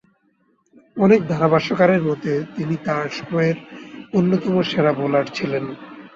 অনেক ধারাভাষ্যকারের মতে, তিনি তার সময়কালের অন্যতম সেরা বোলার ছিলেন।